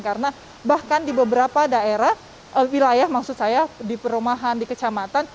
karena bahkan di beberapa daerah wilayah maksud saya di perumahan di kecamatan